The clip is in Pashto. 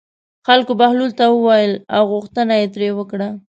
خلکو بهلول ته وویل او غوښتنه یې ترې وکړه.